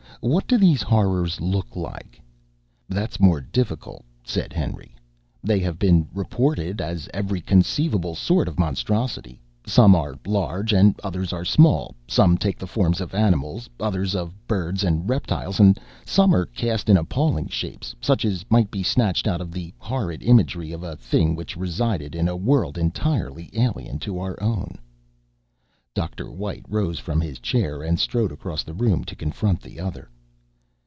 What do these Horrors look like?" "That's more difficult," said Henry. "They have been reported as every conceivable sort of monstrosity. Some are large and others are small. Some take the form of animals, others of birds and reptiles, and some are cast in appalling shapes such as might be snatched out of the horrid imagery of a thing which resided in a world entirely alien to our own." Dr. White rose from his chair and strode across the room to confront the other.